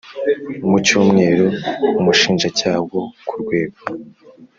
mu cyumweru Umushinjacyaha wo ku rwego